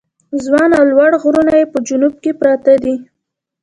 ځوان او لوړ غرونه یې په جنوب کې پراته دي.